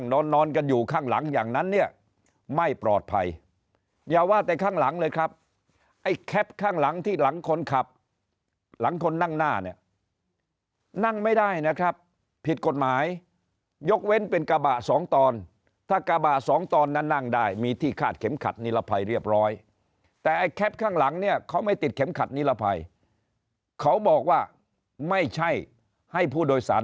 นอนนอนกันอยู่ข้างหลังอย่างนั้นเนี่ยไม่ปลอดภัยอย่าว่าแต่ข้างหลังเลยครับไอ้แคปข้างหลังที่หลังคนขับหลังคนนั่งหน้าเนี่ยนั่งไม่ได้นะครับผิดกฎหมายยกเว้นเป็นกระบะสองตอนถ้ากระบะสองตอนนั้นนั่งได้มีที่คาดเข็มขัดนิรภัยเรียบร้อยแต่ไอ้แคปข้างหลังเนี่ยเขาไม่ติดเข็มขัดนิรภัยเขาบอกว่าไม่ใช่ให้ผู้โดยสาร